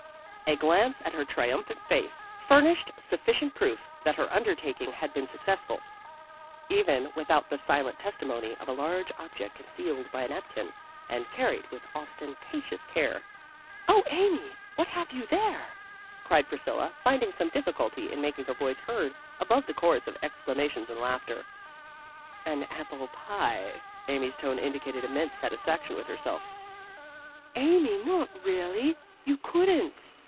A glance at her triumphant face furnished sufficient proof that her undertaking had been successful, even without the silent testimony of a large object concealed by a napkin, and carried with ostentatious care. "Oh, Amy, what have you there?" cried Priscilla, finding some difficulty in making her voice heard above the chorus of exclamations and laughter. "An apple pie." Amy's tone indicated immense satisfaction with herself. "Amy, not really? You couldn't!"